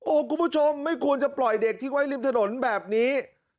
คุณผู้ชมไม่ควรจะปล่อยเด็กทิ้งไว้ริมถนนแบบนี้